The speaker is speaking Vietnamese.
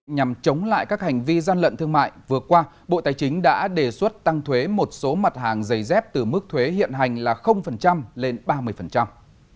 nhằm chống lại các hành vi gian lận thương mại vừa qua bộ tài chính đã đề xuất tăng thuế một số mặt hàng giày dép từ mức thuế hiện hành là lên ba mươi